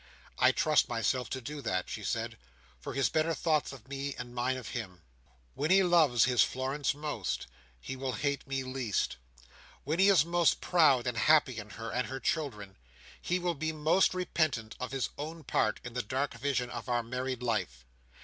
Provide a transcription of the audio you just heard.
"I trust myself to that," she said, "for his better thoughts of me, and mine of him. When he loves his Florence most, he will hate me least. When he is most proud and happy in her and her children, he will be most repentant of his own part in the dark vision of our married life.